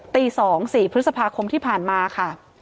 ตี๒๔พฤษภาคมที่ผ่านมาค่ะ